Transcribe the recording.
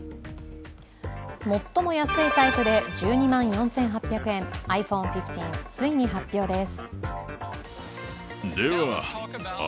最も安いタイプで１２万４８００円、ｉＰｈｏｎｅ１５、ついに発表です。